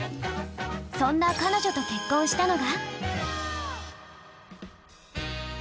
そんな彼女と結婚したのが？